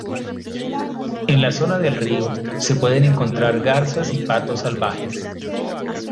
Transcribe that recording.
En la zona del río, se pueden encontrar garzas y patos salvajes.